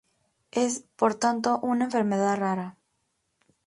Es, por tanto, una enfermedad rara.